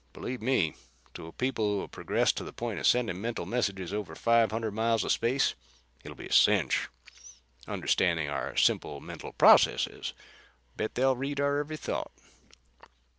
Believe me, to a people who have progressed to the point of sending mental messages over five hundred miles of space, it'll be a cinch, understanding our simple mental processes. Bet they'll read our every thought."